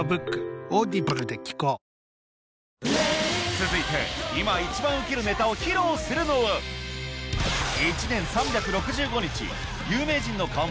続いて今一番ウケるネタを披露するのはイチキップリン